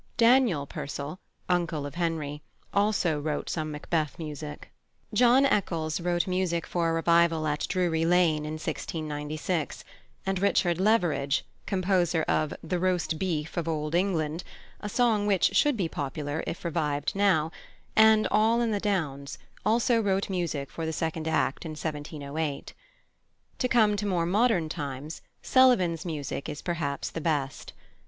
Daniel Purcell, uncle of Henry, also wrote some Macbeth music. +John Eccles+ wrote music for a revival at Drury Lane in 1696; and +Richard Leveridge+, composer of "The Roast Beef of Old England" (a song which should be popular if revived now) and "All in the Downs," also wrote music for the second act in 1708. To come to more modern times, +Sullivan's+ music is perhaps the best.